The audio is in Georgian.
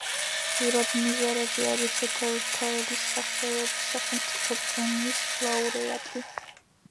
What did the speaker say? ზურაბ ნიჟარაძე არის შოთა რუსთაველის სახელობის სახელმწიფო პრემიის ლაურეატი.